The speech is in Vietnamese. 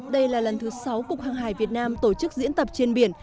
đây là lần thứ sáu cục hàng hải việt nam tổ chức diễn tập trên biển